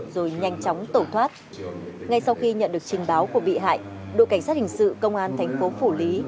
rồi nhanh chóng tẩu thoát ngay sau khi nhận được trình báo của bị hại đội cảnh sát hình sự công an thành phố phủ lý